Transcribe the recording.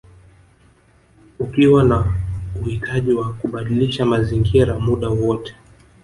Ukiwa na uhitaji wa kubadilisha mazingira muda wowote